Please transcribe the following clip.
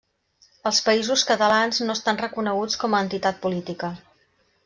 Els Països Catalans no estan reconeguts com a entitat política.